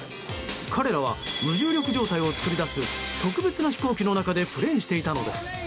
彼らは無重力状態を作り出す特別な飛行機の中でプレーしていたのです。